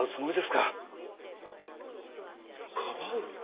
かばう？